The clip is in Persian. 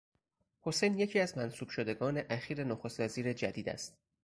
حسین یکی از منصوب شدگان اخیر نخست وزیر جدید است.